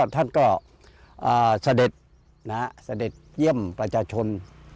ท่านก็เสด็จเสด็จเยี่ยมประจัยท่าน